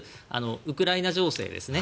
ウクライナ情勢ですね。